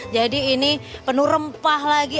jadi ini penuh rempah lagi